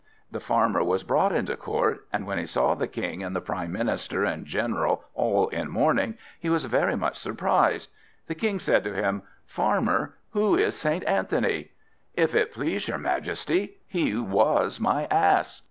The Farmer was brought into court, and when he saw the King and the Prime Minister and General all in mourning, he was very much surprised. The King said to him, "Farmer, who is St. Anthony?" "If it please your Majesty, he was my Ass."